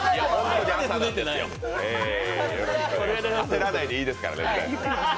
焦らないでいいですからね。